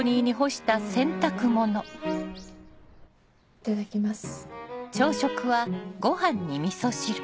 いただきます。